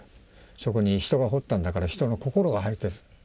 そこに人が彫ったんだから人の心が入ってる。